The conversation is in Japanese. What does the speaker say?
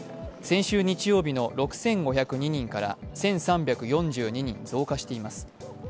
先週日曜日の６５０２人から１３４２人増加しています。